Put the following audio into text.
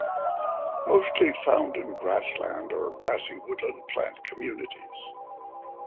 Mostly found in grassland or grassy woodland plant communities.